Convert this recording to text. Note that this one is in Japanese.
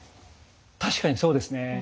確かにそうですね。